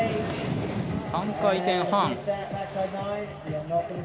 ３回転半。